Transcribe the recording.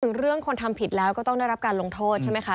ถึงเรื่องคนทำผิดแล้วก็ต้องได้รับการลงโทษใช่ไหมคะ